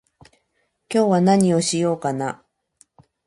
今日は何をしようかな